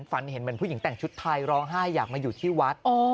ฝันเห็นเหมือนผู้หญิงแต่งชุดไทยร้องไห้อยากมาอยู่ที่วัด